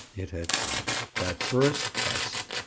It had come. That first test!